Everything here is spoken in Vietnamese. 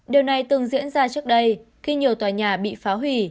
điều này từng diễn ra trước đây khi nhiều tòa nhà bị phá hủy